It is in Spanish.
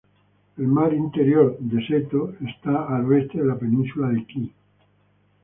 El mar Interior de Seto está al oeste de la península de Kii.